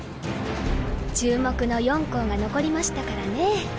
注目の４校が残りましたからね。